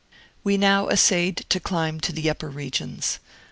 We now essayed to climb into the upper regions.